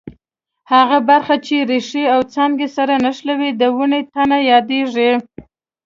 هغه برخه چې ریښې او څانګې سره نښلوي د ونې تنه یادیږي.